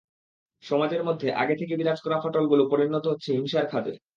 সমাজের মধ্যে আগে থেকে বিরাজ করা ফাটলগুলো পরিণত হচ্ছে হিংসার খাদে।